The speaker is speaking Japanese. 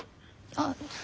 あっ。